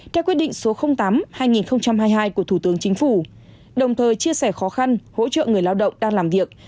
theo quyết định số tám hai nghìn hai mươi hai của thủ tướng chính phủ đồng thời chia sẻ khó khăn hỗ trợ người lao động đang làm việc